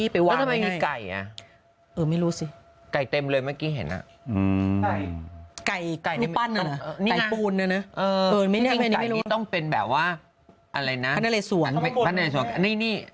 ไปวางไว้ให้แล้วทำไมมีไก่อย่างงี้